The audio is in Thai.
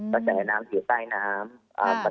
มันจะแห่งน้ำถือใต้น้ำ